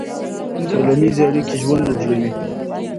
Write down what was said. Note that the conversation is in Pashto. ټولنیزې اړیکې ژوند اوږدوي.